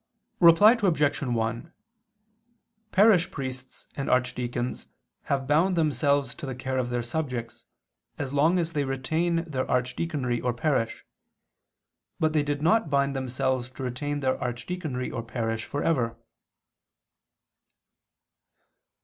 Reply Obj. 1: Parish priests and archdeacons have bound themselves to the care of their subjects, as long as they retain their archdeaconry or parish, but they did not bind themselves to retain their archdeaconry or parish for ever.